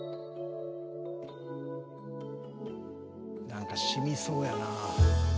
何かしみそうやなぁ。